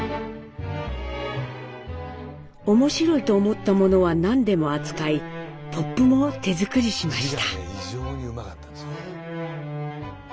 面白いと思ったものは何でも扱いポップも手作りしました。